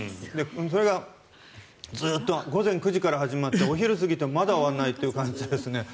それがずっと午前９時から始まってお昼過ぎてももまだ終わらないという感じでしたね。